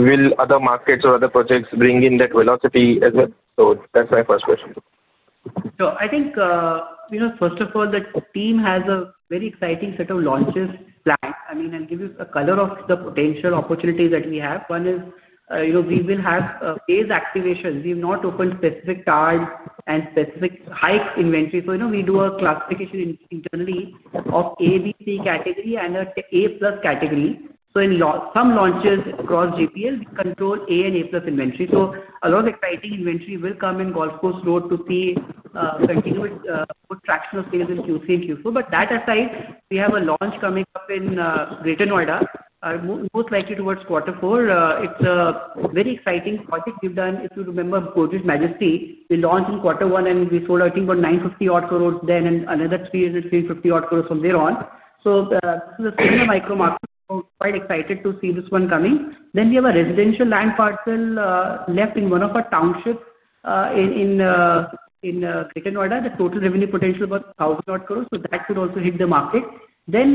Will other markets or other projects bring in that velocity as well? That's my first question. I think, first of all, the team has a very exciting set of launches planned. I mean, I'll give you a color of the potential opportunities that we have. One is, we will have phase activation. We have not opened specific cards and specific high inventory. We do a classification internally of A, B, C category and A+ category. In some launches across GPL, we control A and A+ inventory. A lot of exciting inventory will come in Golf Course Road to see continued good traction of sales in Q3 and Q4. That aside, we have a launch coming up in Greater Noida, most likely towards Q4. It's a very exciting project we've done. If you remember, Godrej Majesty, we launched in Q1 and we sold, I think, about 9.5 billion then and another 3.5 billion from there on. This is a similar micro market. Quite excited to see this one coming. We have a residential land parcel left in one of our townships in Greater Noida. The total revenue potential is about 1,000 crore. That could also hit the market. Very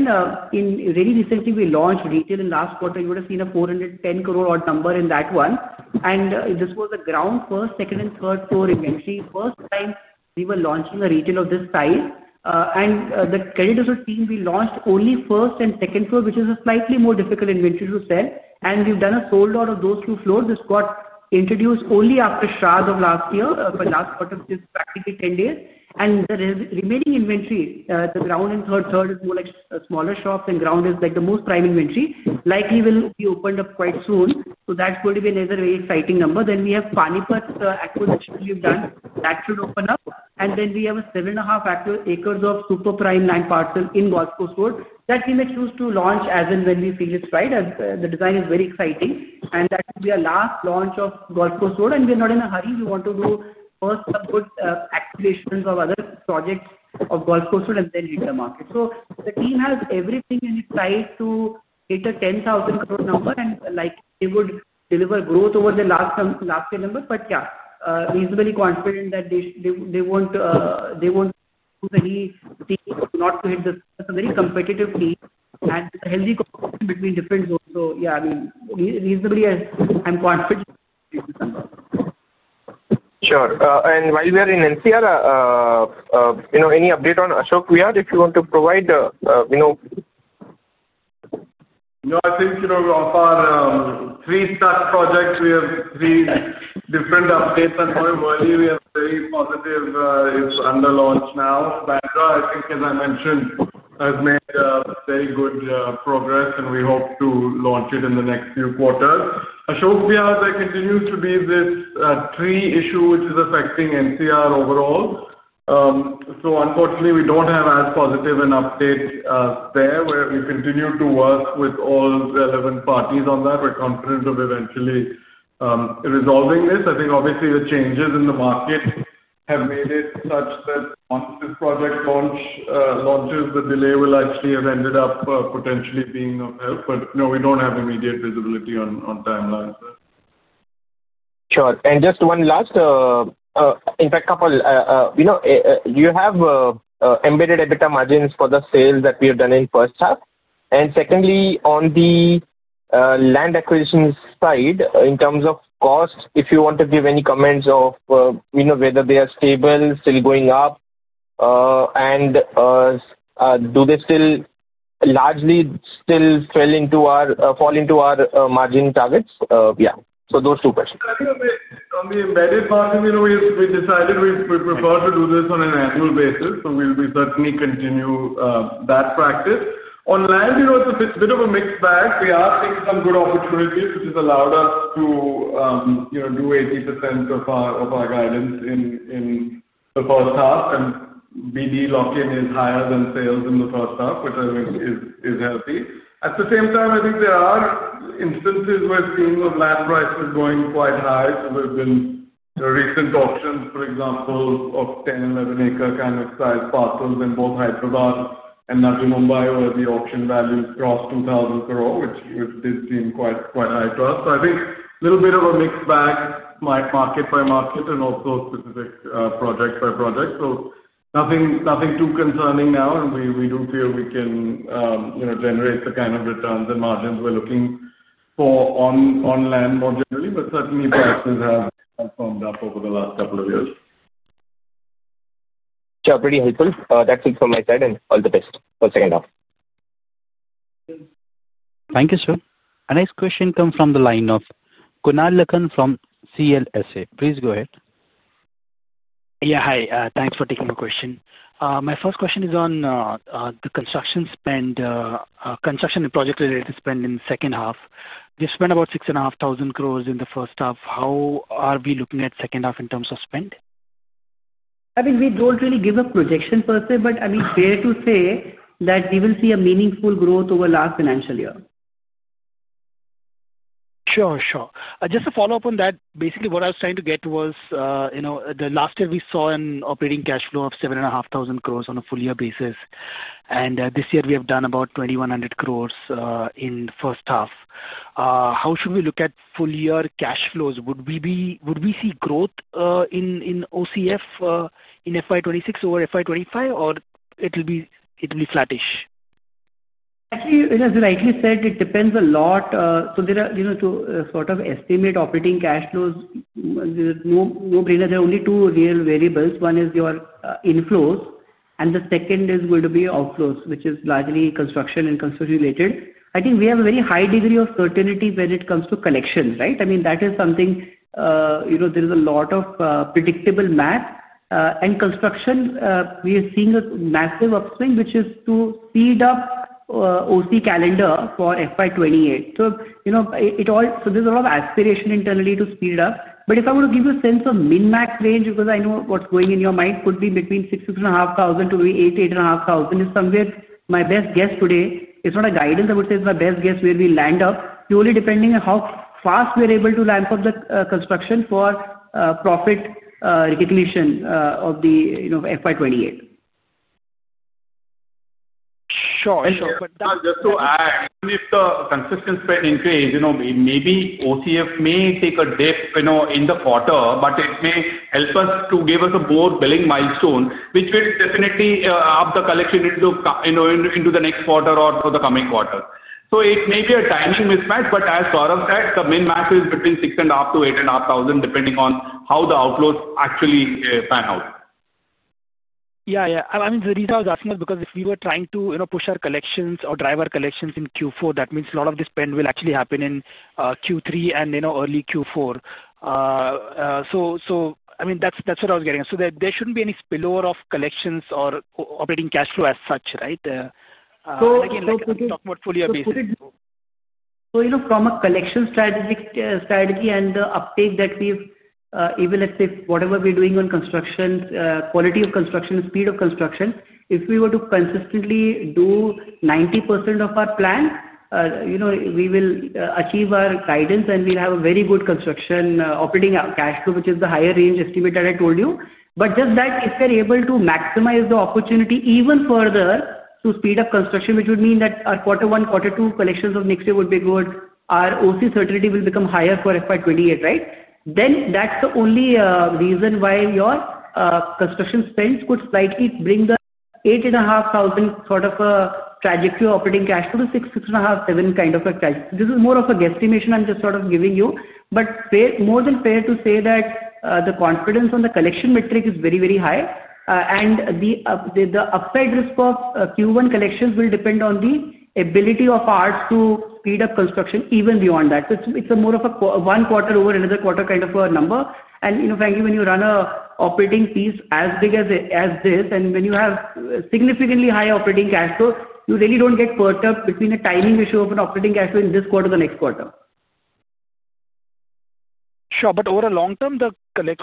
recently, we launched retail in last quarter. You would have seen an 410 crore number in that one. This was a ground, first, second, and third floor inventory. First time we were launching a retail of this size. The credit is the team launched only first and second floor, which is a slightly more difficult inventory to sell. We have done a sold-out of those two floors. This got introduced only after Shraddh of last year, for last quarter, which is practically 10 days. The remaining inventory, the ground and third is more like smaller shops and ground is like the most prime inventory. Likely will be opened up quite soon. That is going to be another very exciting number. We have Panipat acquisition we have done. That should open up. We have a seven and a half acres of super prime land parcel in Golf Course Road that we may choose to launch as and when we feel it is right. The design is very exciting. That will be our last launch of Golf Course Road. We are not in a hurry. We want to do first some good activations of other projects of Golf Course Road and then hit the market. The team has everything in its sight to hit a 10,000 crore number. They would deliver growth over the last year number. Yeah, reasonably confident that they won't. Any team not to hit the very competitive team. It's a healthy competition between different zones. Yeah, I mean, reasonably, I'm confident. Sure. And while we are in NCR, any update on Ashok Vyad if you want to provide? No, I think we're on our three stack projects. We have three different updates at the moment. Early, we have a very positive under launch now. Bandra, I think, as I mentioned, has made very good progress, and we hope to launch it in the next few quarters. Ashok Vyad, there continues to be this tree issue, which is affecting NCR overall. Unfortunately, we don't have as positive an update there where we continue to work with all relevant parties on that. We're confident of eventually resolving this. I think, obviously, the changes in the market have made it such that once this project launches, the delay will actually have ended up potentially being of help. No, we don't have immediate visibility on timelines. Sure. Just one last, in fact, couple. You have embedded EBITDA margins for the sales that we have done in the first half. Secondly, on the land acquisition side, in terms of cost, if you want to give any comments on whether they are stable or still going up. Do they still largely fall into our margin targets? Yeah, those two questions. On the embedded margin, we decided we prefer to do this on an annual basis. We will certainly continue that practice. On land, it is a bit of a mixed bag. We are seeing some good opportunities, which has allowed us to do 80% of our guidance in the first half. BD lock-in is higher than sales in the first half, which I think is healthy. At the same time, I think there are instances where we are seeing land prices going quite high. There have been recent auctions, for example, of 10-11 acre kind of size parcels in both Hyderabad and Navi Mumbai where the auction value crossed 2,000 crore, which did seem quite high to us. I think it is a little bit of a mixed bag, market by market, and also specific project by project. Nothing too concerning now. We do feel we can. Generate the kind of returns and margins we're looking for on land more generally. Certainly, prices have firmed up over the last couple of years. Sure. Pretty helpful. That is it from my side. All the best for the second half. Thank you, sir. The next question comes from the line of Kunal Lakhan from CLSA. Please go ahead. Yeah, hi. Thanks for taking my question. My first question is on the construction spend. Construction and project-related spend in the second half. We've spent about 6,500 crore in the first half. How are we looking at second half in terms of spend? I mean, we don't really give a projection per se, but I mean, fair to say that we will see a meaningful growth over the last financial year. Sure, sure. Just to follow up on that, basically, what I was trying to get was. The last year we saw an operating cash flow of 7,500 crore on a full-year basis. And this year, we have done about 2,100 crore in the first half. How should we look at full-year cash flows? Would we see growth in OCF in FY 2026 over FY 2025, or it will be flattish? Actually, as I likely said, it depends a lot. There are, to sort of estimate operating cash flows, no brainer. There are only two real variables. One is your inflows, and the second is going to be outflows, which is largely construction and construction-related. I think we have a very high degree of certainty when it comes to collections, right? I mean, that is something. There is a lot of predictable math. Construction, we are seeing a massive upswing, which is to speed up. OC calendar for FY 2028. There is a lot of aspiration internally to speed up. If I want to give you a sense of min-max range, because I know what is going in your mind, could be between 6,500-8,500 is somewhere my best guess today. It is not a guidance. I would say it's my best guess where we land up. Purely depending on how fast we are able to ramp up the construction for profit recognition of the FY 2028. Sure, sure. Just to add, if the consistent spend increase, maybe OCF may take a dip in the quarter, but it may help us to give us a board billing milestone, which will definitely up the collection into the next quarter or the coming quarter. It may be a timing mismatch, but as Saurabh said, the min-max is between 6,500 million-8,500 million, depending on how the outflows actually pan out. Yeah, yeah. I mean, the reason I was asking is because if we were trying to push our collections or drive our collections in Q4, that means a lot of this spend will actually happen in Q3 and early Q4. I mean, that's what I was getting. There shouldn't be any spillover of collections or operating cash flow as such, right? Again, like we talked about full-year basis. From a collection strategy and the uptake that we've, even let's say, whatever we're doing on construction, quality of construction, speed of construction, if we were to consistently do 90% of our plan, we will achieve our guidance and we'll have a very good construction operating cash flow, which is the higher range estimate that I told you. If we're able to maximize the opportunity even further to speed up construction, which would mean that our quarter one, quarter two collections of next year would be good, our OC certainty will become higher for FY 2028, right? That's the only reason why your construction spends could slightly bring the 8,500 sort of trajectory of operating cash flow to 6,000-6,500, 7,000 kind of a trajectory. This is more of a guesstimation I'm just sort of giving you. is more than fair to say that the confidence on the collection metric is very, very high. The upside risk of Q1 collections will depend on the ability of ARTS to speed up construction even beyond that. It is more of a one quarter over another quarter kind of a number. Frankly, when you run an operating piece as big as this, and when you have significantly higher operating cash flow, you really do not get perturbed between the timing issue of an operating cash flow in this quarter to the next quarter. Sure. Over a long term, the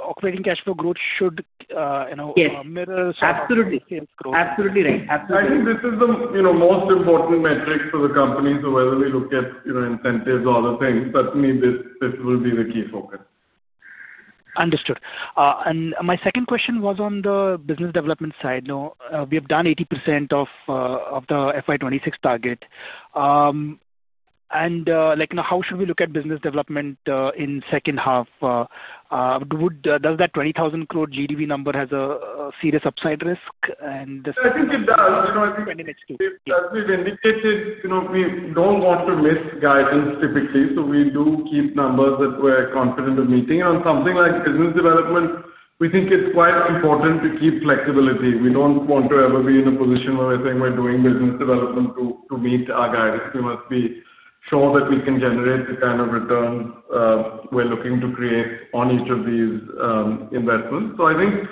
operating cash flow growth should mirror Saurabh's growth. Absolutely. Absolutely right. Absolutely. I think this is the most important metric for the company. Whether we look at incentives or other things, certainly this will be the key focus. Understood. My second question was on the business development side. We have done 80% of the FY 2026 target. How should we look at business development in the second half? Does that 20,000 crore GDV number have a serious upside risk? I think it does. We've indicated we don't want to miss guidance typically. We do keep numbers that we're confident of meeting. On something like business development, we think it's quite important to keep flexibility. We don't want to ever be in a position where we're saying we're doing business development to meet our guidance. We must be sure that we can generate the kind of returns we're looking to create on each of these investments. I think,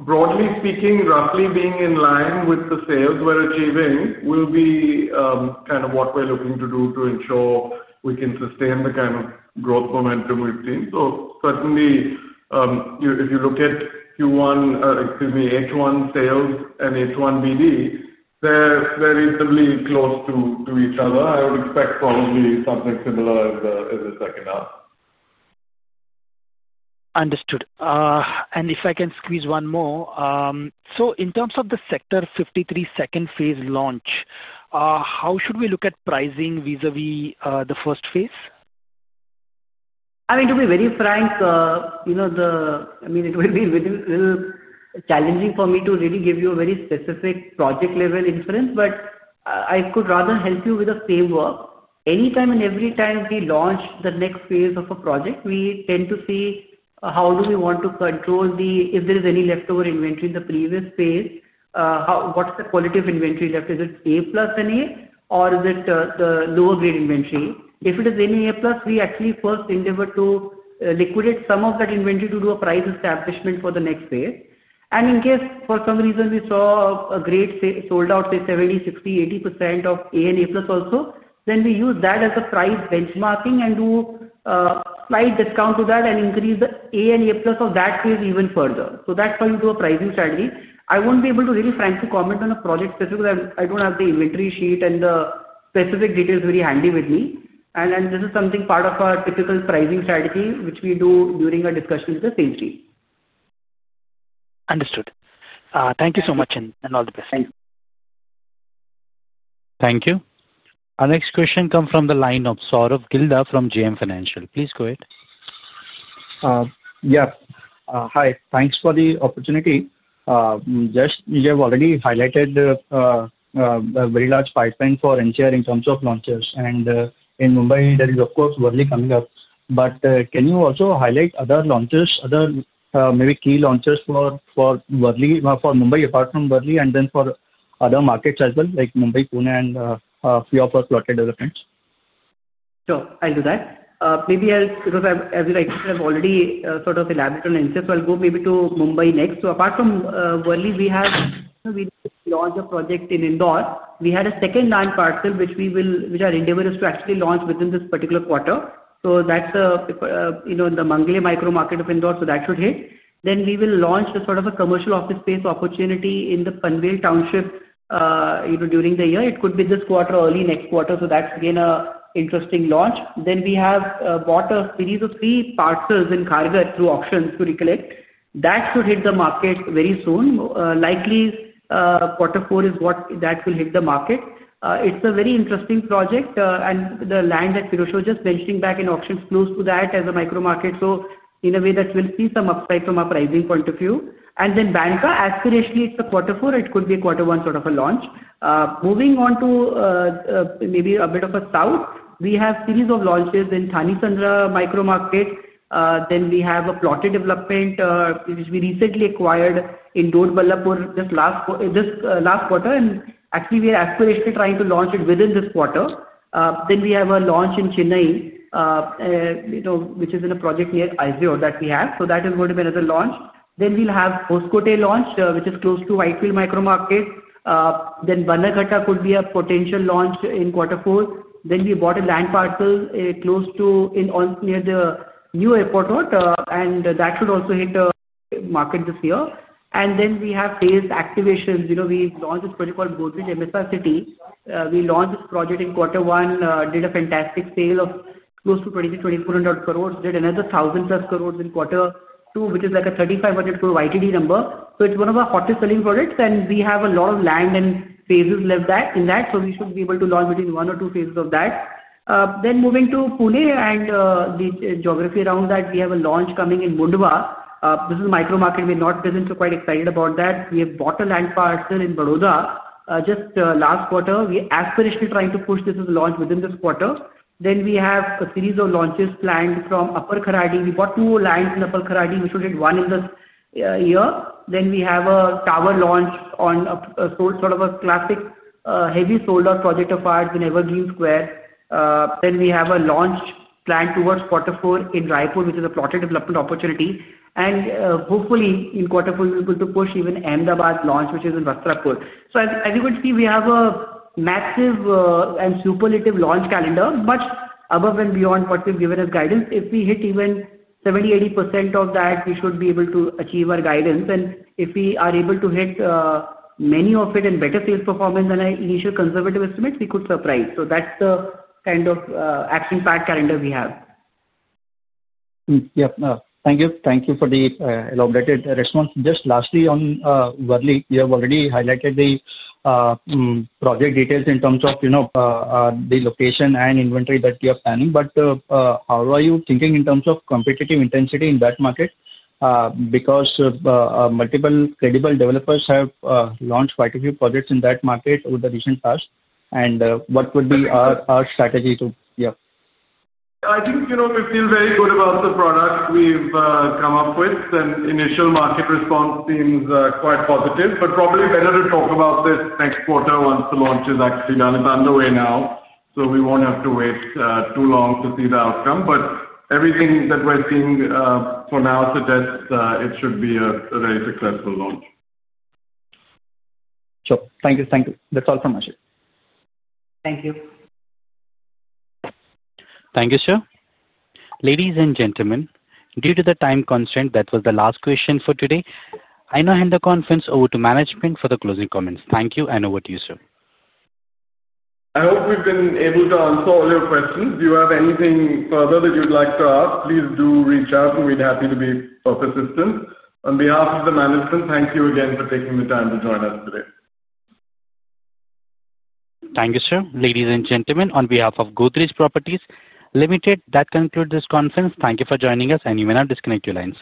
broadly speaking, roughly being in line with the sales we're achieving will be kind of what we're looking to do to ensure we can sustain the kind of growth momentum we've seen. Certainly, if you look at Q1, excuse me, H1 sales and H1 BD, they're reasonably close to each other. I would expect probably something similar in the second half. Understood. If I can squeeze one more. In terms of the Sector 53 second phase launch, how should we look at pricing vis-à-vis the first phase? I mean, to be very frank, it will be a little challenging for me to really give you a very specific project-level inference, but I could rather help you with the same work. Anytime and every time we launch the next phase of a project, we tend to see how do we want to control if there is any leftover inventory in the previous phase, what's the quality of inventory left? Is it A-plus and A, or is it the lower-grade inventory? If it is any A-plus, we actually first endeavor to liquidate some of that inventory to do a price establishment for the next phase. In case, for some reason, we saw a great sold-out, say, 70%, 60%, 80% of A and A-plus also, then we use that as a price benchmarking and do. Slight discount to that and increase the A and A-plus of that phase even further. That is how you do a pricing strategy. I will not be able to really frankly comment on a project specifically. I do not have the inventory sheet and the specific details very handy with me. This is something part of our typical pricing strategy, which we do during our discussion with the sales team. Understood. Thank you so much and all the best. Thank you. Thank you. Our next question comes from the line of Sourabh Gilda from JM Financial. Please go ahead. Yes. Hi. Thanks for the opportunity. Jesh, you have already highlighted a very large pipeline for NCR in terms of launches. In Mumbai, there is, of course, Worli coming up. Can you also highlight other launches, other maybe key launches for Mumbai apart from Worli, and then for other markets as well, like Mumbai, Pune, and a few of our project developments? Sure. I'll do that. Maybe I'll, because as I said, I've already sort of elaborated on NCR, I'll go maybe to Mumbai next. Apart from Worli, we have launched a project in Indore. We had a second land parcel, which we will, which our endeavor is to actually launch within this particular quarter. That's in the Mangale micro market of Indore, so that should hit. We will launch the sort of a commercial office space opportunity in the Panvel township during the year. It could be this quarter, early next quarter. That's been an interesting launch. We have bought a series of three parcels in Kharghar through auctions to recollect. That should hit the market very soon. Likely, quarter four is what that will hit the market. It's a very interesting project. The land that Pirojsha was just mentioning back in auctions is close to that as a micro market. In a way, that will see some upside from a pricing point of view. Banka, aspirationally, it's a quarter four. It could be a quarter one sort of a launch. Moving on, maybe a bit to the south, we have a series of launches in Thanisandra micro market. We have a plotted development, which we recently acquired in Doddaballapur just last quarter. Actually, we are aspirationally trying to launch it within this quarter. We have a launch in Chennai, which is in a project near Ezhur that we have. That is going to be another launch. We will have Poshkote launch, which is close to Whitefield micro market. Banaghatta could be a potential launch in quarter four. We bought a land parcel close to near the new airport road, and that should also hit the market this year. We have phased activations. We launched this project called Godrej MSR City. We launched this project in quarter one, did a fantastic sale of close to 2,300-2,400 crore, did another 1,000+ crore in quarter two, which is like an 3,500 crore year-to-date number. It is one of our hottest selling products, and we have a lot of land and phases left in that. We should be able to launch between one or two phases of that. Moving to Pune and the geography around that, we have a launch coming in Bundwa. This is a micro market. We are not busy, so quite excited about that. We have bought a land parcel in Baroda just last quarter. We are aspirationally trying to push this as a launch within this quarter. We have a series of launches planned from Upper Kharadi. We bought two lands in Upper Kharadi, which will hit one in this year. We have a tower launch on sort of a classic heavy sold-out project of ours, the Never Green Square. We have a launch planned towards quarter four in Raipur, which is a plotted development opportunity. Hopefully, in quarter four, we're able to push even Ahmedabad launch, which is in Vastrapur. As you can see, we have a massive and superlative launch calendar, much above and beyond what we've given as guidance. If we hit even 70%-80% of that, we should be able to achieve our guidance. If we are able to hit. Many of it and better sales performance than our initial conservative estimates, we could surprise. That is the kind of action-packed calendar we have. Yep. Thank you. Thank you for the elaborated response. Just lastly on Worli, you have already highlighted the project details in terms of the location and inventory that you are planning. How are you thinking in terms of competitive intensity in that market? Multiple credible developers have launched quite a few projects in that market over the recent past. What would be our strategy to, yeah? I think we feel very good about the product we've come up with. The initial market response seems quite positive. Probably better to talk about this next quarter once the launch is actually done. It's underway now. We won't have to wait too long to see the outcome. Everything that we're seeing for now suggests it should be a very successful launch. Sure. Thank you. Thank you. That's all from us, Jesh. Thank you. Thank you, sir. Ladies and gentlemen, due to the time constraint, that was the last question for today. I now hand the conference over to management for the closing comments. Thank you, and over to you, sir. I hope we've been able to answer all your questions. Do you have anything further that you'd like to add? Please do reach out, and we'd be happy to be of assistance. On behalf of the management, thank you again for taking the time to join us today. Thank you, sir. Ladies and gentlemen, on behalf of Godrej Properties Limited, that concludes this conference. Thank you for joining us, and you may now disconnect your lines.